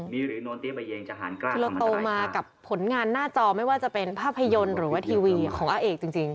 ที่เราโตมากับผลงานหน้าจอไม่ว่าจะเป็นภาพยนตร์หรือว่าทีวีของอาเอกจริง